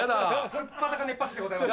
素っ裸熱波師でございます。